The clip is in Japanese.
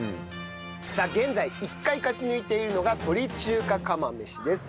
現在１回勝ち抜いているのが鳥中華釜飯です。